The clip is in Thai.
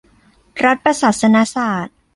รัฐประศาสนศาสตร์